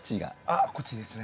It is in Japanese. あっこっちですね。